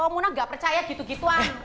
munah gak percaya gitu gituan